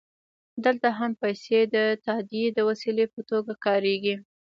دلته هم پیسې د تادیې د وسیلې په توګه کارېږي